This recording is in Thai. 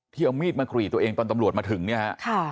เอามีดมากรีดตัวเองตอนตำรวจมาถึงเนี่ยฮะ